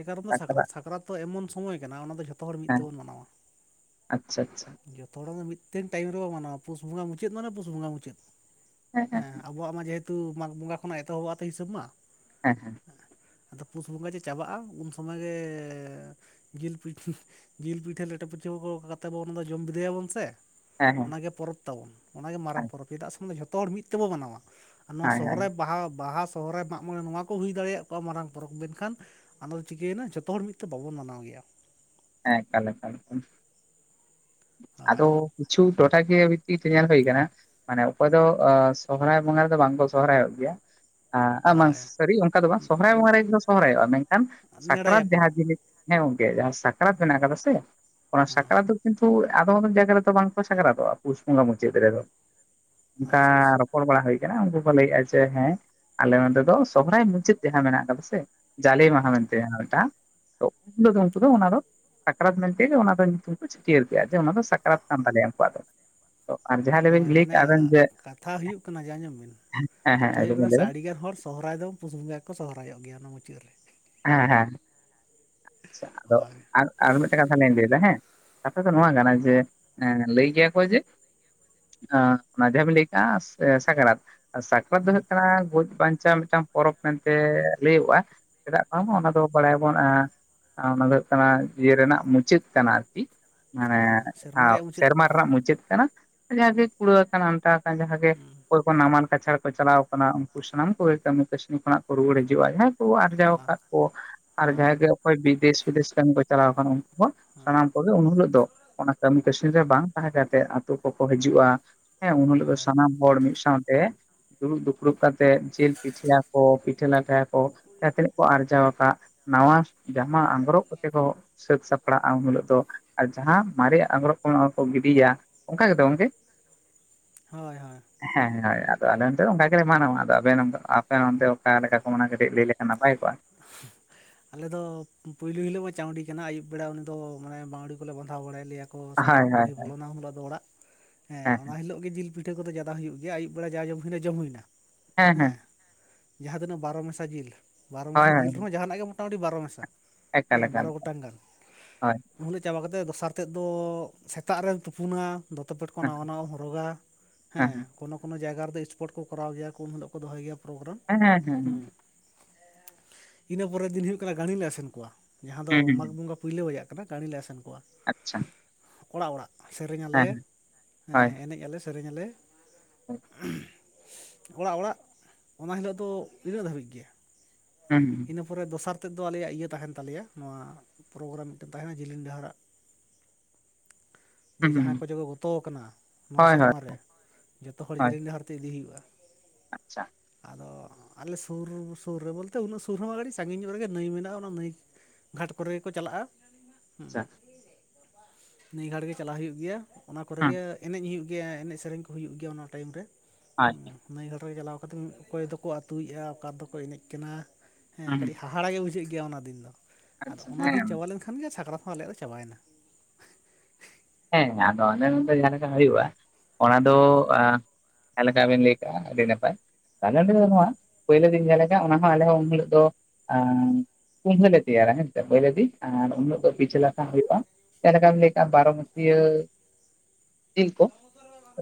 ᱮᱠᱟᱨᱚᱱ ᱫᱚ ᱥᱟᱠᱨᱟᱛ ᱰᱟᱠᱛᱟᱨᱟᱜ ᱥᱟᱠᱨᱟᱛ ᱛᱚ ᱮᱢᱚᱱ ᱥᱚᱢᱚᱭ ᱠᱟᱱᱟ ᱚᱱᱟ ᱫᱚ ᱡᱷᱚᱛᱚ ᱦᱚᱲ ᱢᱤᱫ ᱦᱮᱸ ᱛᱮᱵᱚᱱ ᱢᱟᱱᱟᱣᱟ, ᱟᱪᱪᱷᱟ ᱟᱪᱪᱷᱟ ᱡᱚᱛᱚ ᱦᱚᱲ ᱢᱤᱫ ᱛᱤᱱ ᱴᱟᱭᱤᱢ ᱨᱮᱚ ᱢᱟᱱᱟᱣᱟ ᱯᱩᱥ ᱵᱚᱸᱜᱟ ᱢᱩᱪᱟᱹᱫ ᱢᱟᱱᱮ ᱯᱩᱥ ᱵᱚᱸᱜᱟ ᱢᱩᱪᱟᱹᱫ᱾ ᱦᱮᱸ ᱟᱵᱚᱣᱟᱜ ᱢᱟ ᱡᱮᱦᱮᱛᱩ ᱢᱟᱜᱽ ᱵᱚᱸᱜᱟ ᱠᱷᱚᱱᱟᱜ ᱮᱛᱚᱦᱚᱵ ᱛᱚ ᱦᱤᱥᱟᱹᱵᱽ ᱢᱟ, ᱦᱮᱸ ᱦᱮᱸ ᱟᱫᱚ ᱯᱩᱥ ᱵᱚᱸᱜᱟ ᱡᱮ ᱪᱟᱵᱟᱜᱼᱟ ᱩᱱ ᱥᱚᱢᱚᱭ ᱜᱮ ᱡᱤᱞ ᱯᱤᱴᱤ ᱡᱤᱞ ᱯᱤᱴᱷᱟᱹ ᱞᱮᱴᱚ ᱯᱤᱴᱷᱟᱹ ᱠᱚ ᱠᱟᱛᱮ ᱵᱚᱱ ᱡᱚᱢ ᱵᱤᱫᱟᱹᱭᱟᱵᱚᱱ ᱥᱮ, ᱦᱮᱸ ᱚᱱᱟᱜᱮ ᱯᱚᱨᱚᱵᱽ ᱛᱟᱵᱚᱱ ᱚᱱᱟᱜᱮ ᱢᱟᱨᱟᱝ ᱦᱮᱸ ᱯᱚᱨᱚᱵᱽ ᱪᱮᱫᱟᱜ ᱥᱮ ᱡᱷᱚᱛᱚ ᱦᱚᱲ ᱢᱤᱫ ᱛᱮᱵᱚ ᱢᱟᱱᱟᱣᱟ᱾ ᱟᱨ ᱱᱚᱣᱟ ᱦᱮᱸ ᱦᱮᱸ ᱦᱮᱸ ᱥᱚᱦᱨᱟᱭ ᱵᱟᱦᱟ ᱵᱟᱦᱟ ᱥᱚᱦᱨᱟᱭ ᱢᱟᱜ ᱢᱚᱬᱮ ᱱᱚᱣᱟ ᱠᱚ ᱦᱩᱭ ᱫᱟᱲᱮᱭᱟᱜ ᱢᱟᱨᱟᱝ ᱯᱚᱨᱚᱵᱽ ᱢᱮᱱᱠᱷᱟᱱ ᱟᱫᱚ ᱪᱤᱠᱟᱹᱭᱮᱱᱟ ᱡᱚᱛᱚ ᱦᱚᱲ ᱢᱤᱫ ᱛᱮ ᱵᱟᱵᱚᱱ ᱢᱟᱱᱟᱣ ᱜᱮᱭᱟ᱾ ᱦᱮᱸ ᱮᱠᱟᱞ ᱮᱠᱟᱞ, ᱦᱳᱭ ᱟᱫᱚ ᱠᱤᱪᱷᱩ ᱴᱚᱴᱷᱟ ᱠᱤᱭᱟᱹ ᱵᱷᱤᱛᱤᱨ ᱨᱮ ᱧᱮᱞ ᱦᱩᱭ ᱠᱟᱱᱟ ᱢᱟᱱᱮ ᱚᱠᱚᱭ ᱫᱚ ᱥᱚᱦᱨᱟᱭ ᱵᱚᱸᱜᱟ ᱨᱮᱫᱚ ᱵᱟᱝᱠᱚ ᱥᱚᱦᱨᱟᱭᱚᱜ ᱜᱮᱭᱟ᱾ ᱮ ᱵᱟᱝ ᱦᱳᱭ ᱥᱟᱹᱨᱤ ᱚᱱᱠᱟ ᱫᱚ ᱵᱟᱝ ᱥᱚᱦᱟᱭ ᱵᱚᱸᱟᱦᱜᱟ ᱨᱮᱜᱮ ᱥᱚᱦᱨᱟᱭᱚᱜᱼᱟ, ᱢᱮᱱᱠᱷᱟᱱ ᱥᱟᱠᱨᱟᱛ ᱡᱟᱦᱟᱸ ᱱᱮᱰᱟᱭᱟᱠᱚ ᱡᱤᱱᱤᱥ ᱦᱮᱸ ᱜᱚᱝᱠᱮ ᱡᱟᱦᱟᱸ ᱥᱟᱠᱨᱟᱛ ᱢᱮᱱᱟᱜ ᱠᱟᱫᱟ ᱥᱮ ᱚᱱᱟ ᱦᱮᱸ ᱥᱟᱠᱨᱟᱛ ᱠᱤᱱᱛᱩ ᱟᱫᱚᱢ ᱟᱫᱚᱢ ᱡᱟᱭᱜᱟ ᱨᱮᱫᱚ ᱵᱟᱝᱠᱚ ᱥᱟᱠᱨᱟᱛᱚᱜᱼᱟ ᱯᱩᱥ ᱵᱚᱸᱜᱟ ᱢᱩᱪᱟᱹᱫ ᱨᱮᱫᱚ, ᱚᱱᱠᱟ ᱟᱪᱪᱷᱟ ᱟᱪᱪᱷᱟ ᱨᱚᱲ ᱵᱟᱲᱟ ᱦᱩᱭ ᱟᱠᱟᱱᱟ ᱩᱱᱠᱩ ᱠᱚ ᱞᱟᱹᱭᱮᱜᱼᱟ ᱡᱮ ᱦᱮᱸ ᱟᱞᱮ ᱱᱚᱸᱰᱮ ᱫᱚ ᱥᱚᱦᱨᱟᱭ ᱢᱩᱪᱟᱫ ᱡᱟᱦᱟᱸ ᱢᱮᱱᱟᱜ ᱠᱟᱫᱟ ᱥᱮ, ᱡᱟᱞᱮ ᱢᱟᱦᱟ ᱢᱮᱱᱛᱮ ᱢᱤᱫᱴᱟᱜ ᱩᱱ ᱦᱤᱞᱳ ᱫᱚ ᱩᱱᱠᱩ ᱫᱚ ᱚᱱᱟ ᱫᱚ ᱥᱟᱠᱨᱟᱛ ᱢᱮᱱᱛᱮ ᱚᱱᱟ ᱫᱚ ᱧᱩᱛᱩᱢ ᱪᱷᱟᱹᱴᱭᱟᱹᱨ ᱠᱮᱫᱜᱟ ᱟᱱᱟ ᱫᱚ ᱥᱟᱠᱨᱟᱛ ᱠᱟᱱ ᱛᱟᱞᱮᱭᱟ᱾ ᱩᱱᱠᱩᱣᱟᱜ ᱫᱚ ᱞᱟᱹᱭ ᱦᱳᱭ ᱞᱟᱹᱭ ᱢᱟᱱᱮ ᱠᱟᱜ ᱵᱮᱱ ᱡᱮ ᱠᱟᱛᱷᱟ ᱦᱩᱭᱩᱜ ᱠᱟᱱᱟ ᱡᱮ ᱟᱸᱡᱚᱢ ᱵᱤᱱ ᱦᱮᱸ ᱦᱮᱸ ᱠᱟᱛᱷᱟ ᱟᱸᱡᱚᱢ ᱦᱩᱭᱩᱜ ᱵᱮᱱ ᱠᱟᱱᱟ ᱞᱟᱹᱭ ᱥᱮ ᱵᱮᱱ ᱟᱹᱰᱤᱜᱟᱱ ᱦᱚᱲ ᱥᱚᱦᱨᱟᱭ ᱫᱚ ᱯᱩᱥ ᱵᱚᱸᱜᱟ ᱜᱮᱠᱚ ᱥᱚᱦᱨᱟᱭᱚᱜ ᱜᱮᱭᱟ ᱚᱱᱟ ᱢᱩᱪᱟᱹᱫ ᱨᱮ᱾ ᱦᱮᱸ ᱦᱮᱸ ᱟᱪᱷᱟ ᱟᱫᱚ ᱦᱳᱭ ᱟᱨ ᱟᱨ ᱢᱤᱫᱴᱮᱱ ᱠᱟᱛᱷᱟ ᱞᱤᱧ ᱞᱟᱹᱭᱮᱫᱟ ᱦᱮᱸ ᱠᱟᱛᱷᱟ ᱫᱚ ᱱᱚᱣᱟ ᱠᱟᱱᱟ ᱡᱮ ᱞᱟᱹᱭ ᱜᱮᱭᱟ ᱠᱚ ᱡᱮ ᱡᱟᱦᱟᱸ ᱵᱤᱱ ᱞᱟᱹᱭ ᱠᱟᱜ ᱥᱟᱠᱨᱟᱛ ᱥᱟᱠᱨᱟᱛ ᱫᱚ ᱦᱩᱭᱩᱜ ᱠᱟᱱᱟ ᱜᱚᱡ ᱵᱟᱧᱪᱟᱣ ᱢᱤᱫᱴᱟᱱ ᱯᱚᱨᱚᱵᱽ ᱢᱮᱱᱛᱮ ᱞᱟᱹᱭᱚᱜᱼᱟ, ᱪᱮᱫᱟᱜ ᱵᱟᱝ ᱢᱟ ᱚᱱᱟ ᱫᱚ ᱵᱟᱲᱟᱭᱟᱵᱚᱱ ᱚᱱᱟ ᱫᱚ ᱦᱩᱭᱩᱜ ᱠᱟᱱᱟ ᱤᱭᱟᱹ ᱨᱮᱱᱟᱜ ᱢᱩᱪᱟᱹᱫ ᱠᱟᱱᱟ ᱟᱨᱠᱤ᱾ ᱢᱟᱱᱮ ᱦᱳᱭ ᱥᱮᱨᱢᱟ ᱨᱮᱭᱟᱜ ᱢᱩᱪᱟᱹᱫ ᱥᱮᱨᱢᱟ ᱨᱮᱱᱟᱜ ᱢᱩᱪᱟᱹᱫ ᱠᱟᱱᱟ᱾ ᱡᱟᱜᱮ ᱠᱩᱲᱟᱹᱣ ᱟᱠᱟᱱ ᱟᱱᱴᱟᱣ ᱟᱠᱟᱱ ᱡᱟᱦᱟᱸ ᱜᱮᱼᱼ ᱱᱟᱢᱟᱱ ᱠᱟᱪᱷᱟᱲ ᱠᱚ ᱪᱟᱞᱟᱣ ᱠᱟᱱᱟ ᱩᱱᱠᱩ ᱥᱟᱱᱟᱢ ᱠᱚᱜᱮ ᱠᱟᱹᱢᱤ ᱠᱟᱹᱥᱱᱤ ᱠᱷᱚᱱᱟᱜ ᱠᱚ ᱨᱩᱣᱟᱹᱲ ᱦᱤᱡᱩᱜᱼᱟ ᱡᱟᱦᱟᱸᱭ ᱠᱚᱼᱼ ᱟᱨᱡᱟᱣ ᱦᱳᱭ ᱟᱠᱟᱫ ᱠᱚ ᱟᱨ ᱦᱳᱭ ᱡᱟᱦᱟᱸᱭ ᱜᱮ ᱚᱠᱚᱭ ᱵᱤᱫᱮᱥ ᱵᱤᱫᱮᱥ ᱠᱟᱢᱤ ᱠᱚ ᱪᱟᱞᱟᱣ ᱟᱠᱟᱱᱟ᱾ ᱠᱚ ᱥᱟᱱᱟᱢ ᱠᱚᱜᱮ ᱩᱱ ᱦᱤᱞᱳᱜ ᱫᱚ ᱚᱱᱟ ᱠᱟᱹᱢᱤ ᱠᱟᱹᱥᱱᱤ ᱨᱮ ᱵᱟᱝ ᱛᱟᱦᱮᱸ ᱠᱟᱛᱮ ᱟᱛᱳ ᱠᱚᱠᱚ ᱦᱤᱡᱩᱜᱼᱟ᱾ ᱦᱮᱸ ᱩᱱ ᱦᱤᱞᱳᱜ ᱫᱚ ᱦᱳᱭ ᱥᱟᱱᱟᱢᱼᱼ ᱦᱚᱲ ᱢᱤᱫ ᱥᱟᱶᱛᱮ ᱫᱩᱲᱩᱵ ᱫᱩᱯᱲᱩᱵ ᱠᱟᱛᱮᱫ ᱡᱮᱞ ᱯᱤᱴᱷᱟᱹᱭᱟ ᱠᱚ ᱯᱤᱴᱷᱟᱹ ᱞᱟᱴᱷᱟᱼᱼ ᱡᱟᱦᱟᱸ ᱛᱤᱱᱟᱹᱜ ᱠᱚ ᱟᱨᱡᱟᱣ ᱟᱠᱟᱫ ᱱᱟᱣᱟ ᱡᱟᱢᱟ ᱟᱸᱜᱽᱨᱚᱵ ᱠᱚᱛᱮ ᱠᱚᱼᱼ ᱥᱟᱹᱛ ᱥᱟᱯᱲᱟᱜᱼᱟ ᱩᱱ ᱦᱤᱞᱳᱜ ᱫᱚ ᱟᱨ ᱡᱟᱦᱟᱸ ᱢᱟᱨᱮᱭᱟᱜ ᱟᱝᱨᱚᱵ ᱠᱚ ᱚᱱᱟ ᱠᱚ ᱜᱤᱰᱤᱭᱟ, ᱚᱱᱠᱟ ᱜᱮ ᱛᱚ ᱜᱚᱢᱠᱮ? ᱦᱳᱭ ᱦᱳᱭ᱾ ᱦᱮᱸ ᱦᱚᱭ ᱟᱫᱚ ᱟᱞᱮ ᱚᱱᱛᱮ ᱚᱱᱠᱟ ᱜᱮᱞᱮ ᱢᱟᱱᱟᱣᱟ, ᱟᱫᱚ ᱟᱯᱮ ᱱᱚᱱᱛᱮ ᱟᱯᱮ ᱱᱚᱱᱛᱮ ᱚᱠᱟ ᱞᱮᱠᱟ ᱠᱚ ᱢᱟᱱᱟᱣᱟ, ᱠᱟᱹᱴᱤᱡ ᱞᱟᱹᱭ ᱞᱮᱠᱷᱟᱱ ᱱᱟᱯᱟᱭ ᱠᱚᱜᱼᱟ? [inaudible] ᱟᱞᱮ ᱫᱚ ᱯᱩᱭᱞᱩ ᱦᱤᱞᱳᱜ ᱢᱟ ᱪᱟᱹᱶᱰᱤ ᱠᱟᱱᱟ ᱟᱹᱭᱩᱵ ᱵᱮᱲᱟ ᱩᱱᱤ ᱫᱚ ᱢᱟᱱᱮ ᱵᱟᱹᱶᱲᱤ ᱠᱚᱞᱮ ᱵᱟᱸᱫᱷᱟᱣ ᱵᱟᱲᱟᱭ ᱞᱮᱭᱟ᱾ ᱠᱚ ᱦᱳᱭ ᱥᱟᱠᱨᱟᱛ ᱦᱳᱭ ᱵᱩᱲᱦᱤ ᱵᱚᱞᱚᱱᱟ ᱩᱱ ᱦᱤᱞᱤᱜ ᱫᱚ ᱚᱲᱟᱜ, ᱦᱮᱸ ᱚᱱᱟ ᱦᱤᱞᱳᱜᱼᱼ ᱜᱤ ᱡᱤᱞ ᱯᱤᱴᱷᱟᱹ ᱠᱚᱫᱚ ᱡᱟᱫᱟ ᱦᱩᱭᱩᱜ ᱜᱮᱭᱟ ᱟᱭᱩᱵ ᱵᱮᱲᱟ ᱡᱟ ᱡᱚᱢ ᱦᱩᱭᱮᱱᱟ ᱡᱚᱢ ᱦᱩᱭᱱᱟ ᱦᱮᱸ᱾ ᱡᱟᱦᱟᱸ ᱛᱤᱱᱟᱹᱜ ᱵᱟᱨᱚ ᱢᱮᱥᱟ ᱡᱤᱞ ᱵᱟᱨᱚ ᱦᱳᱭ ᱢᱮᱥᱟ ᱦᱳᱭ ᱡᱤᱞ ᱨᱮᱦᱚᱸ ᱡᱟᱦᱟᱱᱟᱜ ᱜᱮ ᱢᱚᱴᱟᱢᱩᱴᱤ ᱵᱟᱨᱚ ᱢᱮᱥᱟ᱾ ᱮᱠᱟᱞ ᱦᱮᱸ ᱮᱠᱟᱞ ᱵᱟᱨᱚ ᱜᱚᱴᱟᱝ ᱜᱟᱱ᱾ ᱦᱳᱭ ᱩᱱ ᱦᱤᱞᱳᱜ ᱪᱟᱵᱟ ᱠᱟᱛᱮᱱ ᱫᱚᱥᱟᱨ ᱛᱮᱫ ᱫᱚ ᱥᱮᱛᱟᱜ ᱨᱮᱢ ᱛᱩᱯᱩᱱᱟ᱾ ᱫᱚᱛᱚ ᱯᱮᱴ ᱠᱚ ᱦᱮᱸ ᱱᱟᱣᱟ ᱱᱟᱣᱟ ᱦᱚᱨᱚᱜᱟ ᱦᱮᱸ ᱠᱳᱱᱳ ᱠᱳᱱᱳ ᱡᱟᱭᱜᱟ ᱨᱮᱫᱚ ᱥᱯᱚᱴ ᱠᱚᱨᱟᱣ ᱜᱮᱭᱟ ᱠᱚ ᱩᱱ ᱦᱤᱞᱳᱜ᱾ ᱠᱚ ᱫᱚᱦᱚᱭ ᱜᱮᱭᱟ ᱯᱨᱳᱜᱨᱟᱢ ᱦᱮᱸ ᱦᱮᱸ ᱦᱩᱸ᱾ ᱦᱮᱸ ᱤᱱᱟᱹ ᱯᱚᱨᱮ ᱫᱤᱱ ᱦᱩᱭᱩᱜ ᱠᱟᱱᱟ ᱜᱟᱺᱲᱤ ᱞᱮ ᱟᱥᱮᱱ ᱠᱚᱣᱟ, ᱡᱟᱦᱟᱸ ᱫᱚ ᱦᱩᱸ ᱢᱟᱜᱽ ᱦᱩᱸ ᱵᱚᱸᱜᱟᱼᱼ ᱯᱩᱭᱞᱳ ᱨᱮᱭᱟᱜ ᱠᱟᱱᱟ ᱜᱟᱹᱲᱤ ᱞᱮ ᱟᱥᱮᱱ ᱠᱚᱣᱟ᱾ ᱟᱪᱪᱷᱟ᱾ ᱠᱚᱲᱟ ᱚᱲᱟᱜ ᱥᱮᱨᱮᱧ ᱟᱞᱮ ᱦᱮᱸ ᱦᱳᱭ ᱦᱮᱸ ᱮᱱᱮᱡ ᱟᱞᱮ ᱥᱮᱨᱮᱧ ᱟᱞᱮ᱾ ᱦᱳᱭ ᱚᱲᱟᱜ ᱚᱲᱟᱜ ᱚᱱᱟ ᱦᱤᱞᱳᱜ ᱫᱚ ᱤᱱᱟᱹᱜ ᱫᱷᱟᱹᱵᱤᱡ ᱜᱮ᱾ ᱦᱮᱸ᱾ ᱤᱱᱟᱹ ᱯᱚᱨᱮ ᱫᱚᱥᱟᱨ ᱛᱮᱫ ᱫᱚ ᱟᱞᱮᱭᱟᱜ ᱤᱭᱟᱹ ᱛᱟᱦᱮᱱ ᱛᱟᱞᱮᱭᱟ ᱱᱚᱣᱟ ᱯᱨᱳᱜᱨᱟᱢ ᱢᱤᱫᱴᱮᱱ ᱛᱟᱦᱮᱱᱟ ᱡᱤᱞᱤᱧ ᱰᱟᱦᱟᱨᱟᱜ᱾ [inaudible] ᱡᱮ ᱡᱟᱦᱟᱸᱭ ᱠᱚ ᱫᱚ ᱠᱚ ᱜᱚᱛᱚ ᱠᱟᱱᱟ ᱱᱚᱣᱟ ᱦᱳᱭ ᱦᱳᱭ ᱥᱮᱨᱢᱟ ᱨᱮ ᱡᱚᱛᱚ ᱦᱚᱲ ᱦᱳᱭ ᱡᱮᱞᱮᱧ ᱰᱟᱦᱟᱨ ᱛᱮ ᱤᱫᱤ ᱦᱩᱭᱩᱜᱼᱟ᱾ ᱟᱪᱪᱷᱟ᱾ ᱟᱫᱚ ᱟᱞᱮ ᱥᱩᱨ ᱥᱩᱨ ᱨᱮ ᱵᱚᱞᱛᱮ ᱩᱱᱟᱹᱜ ᱥᱩᱨᱼᱼ ᱥᱩᱨ ᱦᱚᱸ ᱵᱟᱝ ᱠᱟᱴᱤᱡ ᱥᱟᱺᱜᱤᱧ ᱧᱚᱜ ᱨᱮᱜᱮ ᱱᱟᱹᱭ ᱢᱮᱱᱟᱜᱼᱟ, ᱚᱱᱟ ᱱᱟᱹᱭ ᱜᱷᱟᱴ ᱠᱚᱨᱮ ᱜᱮ ᱠᱚ ᱪᱟᱞᱟᱜᱼᱟ᱾ ᱦᱮᱸ ᱟᱪᱪᱷᱟ ᱱᱟᱹᱭ ᱜᱷᱟᱴ ᱜᱮ ᱪᱟᱞᱟᱜ ᱦᱩᱭᱩᱜ ᱜᱮᱭᱟ᱾ ᱚᱱᱟ ᱠᱚᱨᱮ ᱦᱩᱸ ᱜᱮ ᱮᱱᱮᱡ ᱦᱩᱭᱩᱜ ᱜᱮᱭᱟ, ᱮᱱᱮᱡ ᱥᱮᱨᱮᱧ ᱠᱚ ᱦᱩᱭᱩᱜ ᱜᱮᱭᱟ ᱚᱱᱟ ᱴᱟᱭᱤᱢ ᱨᱮ᱾ ᱦᱳᱭ ᱱᱟᱹᱭ ᱜᱟᱰᱟ ᱨᱮ ᱪᱟᱞᱟᱣ ᱠᱟᱛᱮᱫ ᱚᱠᱚᱭ ᱫᱚᱠᱚ ᱟᱛᱩᱭᱮᱜᱼᱟ, ᱚᱠᱟ ᱫᱚᱠᱚ ᱮᱱᱮᱡ ᱠᱟᱱᱟ ᱦᱮᱸ ᱦᱩᱸ ᱠᱟᱹᱴᱤᱡ ᱦᱟᱦᱟᱼᱼ ᱦᱟᱦᱟᱲᱟ ᱜᱮ ᱵᱩᱡᱷᱟᱹᱜ ᱜᱮᱭᱟ ᱚᱱᱟ ᱫᱤᱱ ᱫᱚ ᱟᱫᱚ ᱟᱪᱪᱷᱟ ᱚᱱᱟ ᱫᱤᱱ ᱦᱮᱸ ᱪᱟᱵᱟ ᱞᱮᱱᱠᱷᱟᱱ ᱜᱮ ᱥᱟᱠᱨᱟᱛ ᱦᱚᱸ ᱟᱞᱮᱭᱟᱜ ᱫᱚ ᱪᱟᱵᱟᱭᱮᱱᱟ᱾ ᱦᱮᱸ ᱟᱫᱚ ᱟᱞᱮ ᱱᱚᱰᱮ ᱡᱟᱦᱟ ᱞᱮᱠᱟ ᱦᱩᱭᱩᱜᱼᱟ, ᱚᱱᱟ ᱫᱚ ᱟᱼᱼ ᱡᱟᱦᱟᱸ ᱞᱮᱠᱟ ᱵᱤᱱ ᱞᱟᱹᱭ ᱠᱟᱜᱼᱟ ᱟᱹᱰᱤ ᱱᱟᱯᱟᱭ ᱟᱞᱮ ᱱᱚᱰᱮ ᱫᱚ ᱵᱟᱱᱩᱜᱼᱟ᱾ ᱯᱳᱭᱞᱳ ᱫᱤᱱ ᱡᱟᱦᱟᱸ ᱞᱮᱠᱟ ᱚᱱᱟ ᱦᱚᱸ ᱟᱞᱮ ᱦᱚᱸ ᱩᱱ ᱦᱤᱞᱳᱜ ᱫᱚᱼᱼ ᱠᱩᱱᱦᱟᱹ ᱞᱮ ᱛᱮᱭᱟᱨᱟ ᱦᱮᱸᱥᱮ ᱯᱳᱭᱞᱳ ᱫᱤᱱ ᱟᱨ ᱩᱱ ᱦᱤᱞᱳᱹᱜ ᱫᱚᱼᱼ ᱯᱤᱷᱟᱹ ᱞᱟᱴᱷᱟ ᱦᱩᱭᱩᱜᱼᱟ, ᱪᱮᱫ ᱞᱮᱠᱟᱢ ᱞᱟᱹᱭ ᱠᱮᱜᱼᱟ ᱵᱟᱨᱚ ᱢᱟᱹᱥᱭᱟᱹᱼᱼ ᱛᱤᱞ ᱠᱚ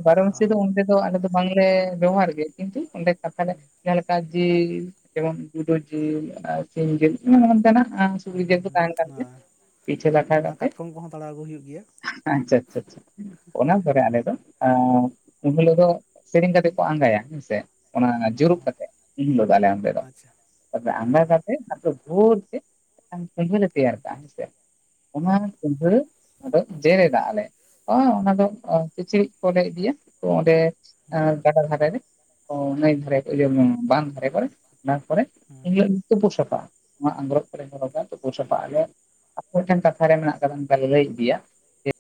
ᱵᱟᱨᱚ ᱚ ᱢᱟᱹᱥᱤᱭᱟᱹ ᱫᱚ ᱩᱱᱼᱼ ᱛᱚ ᱟᱞᱮ ᱫᱚ ᱵᱟᱝᱞᱮ ᱵᱮᱣᱦᱟᱨ ᱜᱮᱭᱟ ᱠᱤᱱᱛᱩ ᱚᱸᱰᱮ ᱠᱟᱛᱷᱟ ᱞᱮᱼᱼ ᱡᱟᱦᱟᱸ ᱞᱮᱠᱟ ᱡᱤᱞ ᱡᱮᱢᱚᱱ ᱜᱩᱰᱩ ᱡᱤᱞ ᱟᱨ ᱥᱤᱢ ᱡᱤᱞ᱾ ᱮᱢᱚᱱ ᱮᱢᱚᱱ ᱛᱮᱱᱟᱜᱼᱼ ᱦᱩᱸ ᱥᱩᱡᱨᱤ ᱡᱤᱞ ᱫᱚ ᱦᱩᱸ ᱛᱟᱦᱮᱸᱱ ᱠᱟᱱ ᱜᱮᱭᱟ ᱯᱤᱴᱷᱟᱹ ᱞᱟᱴᱷᱟ ᱠᱟᱛᱮ ᱾ ᱯᱟᱲᱟᱣ ᱟᱜᱩ ᱦᱩᱭᱩᱜ ᱜᱮᱭᱟ ᱾ ᱟᱪᱪᱷᱟ ᱟᱪᱪᱷᱟ ᱪᱷᱟ ᱾ ᱚᱱᱟ ᱯᱚᱨᱮ ᱟᱞᱮ ᱫᱚ ᱩᱱ ᱟ ᱦᱤᱞᱳᱜ ᱫᱚ ᱥᱮᱨᱮᱧ ᱠᱟᱛᱮᱜ ᱠᱚ ᱟᱸᱜᱟᱭᱟ ᱦᱮᱸᱥᱮ᱾ ᱚᱱᱟ ᱡᱩᱨᱩᱜ ᱦᱚᱸ ᱠᱟᱛᱮᱫ ᱩᱱ ᱦᱤᱞᱳᱜ ᱫᱚ ᱟᱞᱮ ᱚᱸᱰᱮ ᱫᱚ ᱟᱪᱪᱷᱟ ᱾ ᱛᱚᱵᱮ ᱟᱸᱜᱟ ᱦᱩᱸ ᱠᱟᱛᱮᱫᱼᱼ ᱵᱷᱳᱨ ᱛᱮ ᱢᱮᱫᱴᱟᱝ ᱠᱩᱸᱵᱟᱹ ᱞᱮ ᱛᱮᱭᱟᱨ ᱠᱟᱜ-ᱟ ᱦᱮᱸᱥᱮ, ᱚᱱᱟ ᱦᱩᱸ ᱠᱩᱸᱵᱟᱹ ᱡᱮᱨᱮᱫᱟᱜ-ᱟ ᱞᱮ᱾ ᱛᱚ, ᱚᱱᱟ ᱫᱚ ᱠᱤᱪᱨᱤᱡ ᱠᱚ ᱞᱮ ᱤᱫᱤᱭᱟ ᱛᱚ ᱚᱸᱰᱮ ᱜᱟᱰᱟ ᱫᱷᱟᱨ ᱨᱮ ᱛᱚ ᱱᱟᱹᱭ ᱫᱷᱟᱨᱮ ᱤᱭᱟᱹ ᱵᱟᱸᱫᱽ ᱫᱷᱟᱨᱮ ᱠᱚᱨᱮ ᱚᱱᱟ ᱠᱚᱨᱮ ᱦᱩᱸ ᱮᱱᱦᱤᱞᱳᱜ ᱫᱚ ᱛᱩᱯᱩ ᱥᱟᱯᱷᱟᱜᱼᱟ᱾ ᱱᱚᱣᱟ ᱟᱸᱜᱨᱚᱵ ᱠᱚᱞ ᱦᱚᱨᱚᱜᱟ ᱛᱩᱯᱩ ᱥᱟᱯᱷᱟᱜ-ᱟ ᱞᱮ᱾ ᱟᱨ ᱢᱤᱫᱴᱮᱱ ᱠᱟᱛᱷᱟ ᱨᱮ ᱢᱮᱱᱟᱜ ᱠᱟᱫᱟ ᱚᱱᱠᱟ ᱞᱮ ᱞᱟᱹᱭ ᱤᱫᱤᱭᱟ, ᱡᱮ